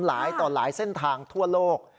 หลายต่อหลายเส้นทางทั่วโลก